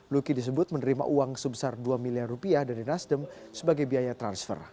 luki disebut menerima uang sebesar dua miliar rupiah dari nasdem sebagai biaya transfer